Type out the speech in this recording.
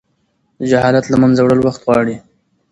د جهالت له منځه وړل وخت غواړي.